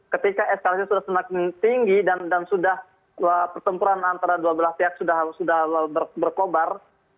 ketika eskalasi sudah semakin tinggi dan sudah pertempuran antara dua belah pihak sudah berkobar